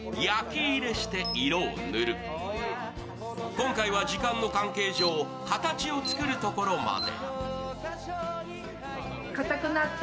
今回は時間の関係上、形を作るところまで。